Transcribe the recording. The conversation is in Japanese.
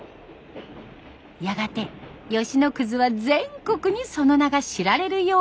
やがて吉野葛は全国にその名が知られるようになります。